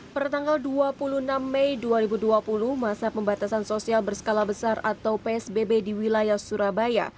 pertanggal dua puluh enam mei dua ribu dua puluh masa pembatasan sosial berskala besar atau psbb di wilayah surabaya